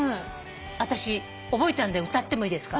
私覚えたんで歌ってもいいですか？